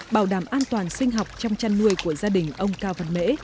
bảo đảm an toàn sinh học trong chăn nuôi của gia đình ông cao văn mễ